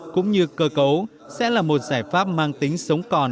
cũng như cơ cấu sẽ là một giải pháp mang tính sống còn